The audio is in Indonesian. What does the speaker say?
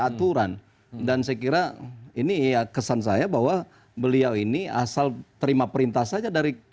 aturan dan saya kira ini ya kesan saya bahwa beliau ini asal terima perintah saja dari